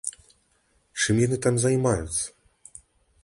Чым яны там займаюцца?